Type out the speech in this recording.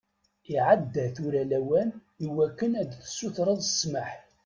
Iɛedda tura lawan i wakken ad tsutreḍ ssmaḥ.